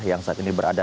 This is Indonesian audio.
yang saat ini berada